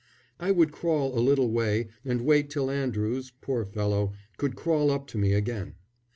I would crawl a little way and wait till Andrews, poor fellow, could crawl up to me again.